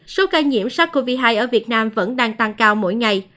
số ca nhiễm sars cov hai ở việt nam vẫn đang tăng cao mỗi ngày